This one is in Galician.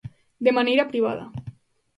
De maneira privada.